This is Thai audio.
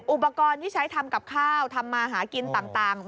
อุปกรณ์ที่ใช้ทำกับข้าวทำมาหากินต่าง